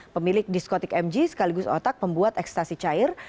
pemilik diskotik mg sekaligus otak pembuat ekstasi cair